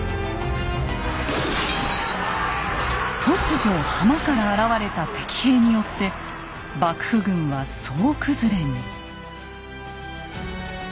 突如浜から現れた敵兵によって幕府軍は総崩れに。